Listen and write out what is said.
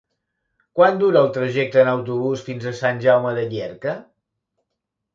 Quant dura el trajecte en autobús fins a Sant Jaume de Llierca?